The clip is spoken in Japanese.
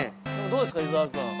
どうですか、伊沢君。